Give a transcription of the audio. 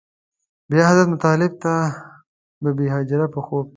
بیا حضرت مطلب ته بې بي هاجره په خوب کې.